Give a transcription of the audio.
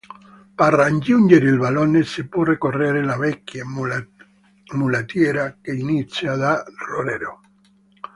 Per raggiungere il vallone si può percorrere la vecchia mulattiera che inizia da "Roreto".